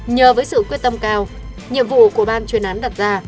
nhờ với sự quyết tâm cao nhiệm vụ của ban chuyên án đặt ra